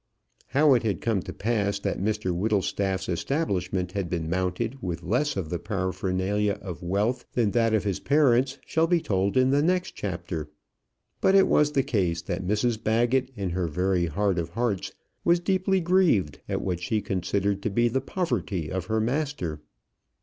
How it had come to pass that Mr Whittlestaff's establishment had been mounted with less of the paraphernalia of wealth than that of his parents, shall be told in the next chapter; but it was the case that Mrs Baggett, in her very heart of hearts, was deeply grieved at what she considered to be the poverty of her master.